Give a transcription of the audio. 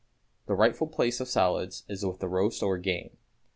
= The rightful place of salads is with the roast or game.